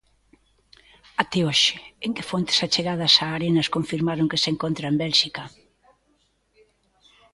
Até hoxe, en que fontes achegadas a Arenas confirmaron que se encontra en Bélxica.